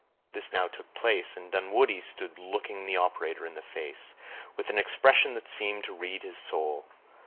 This now took place, and Dunwoodie stood looking the operator in the face, with an expression that seemed to read his soul.